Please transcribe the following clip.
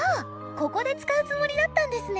ここで使うつもりだったんですね！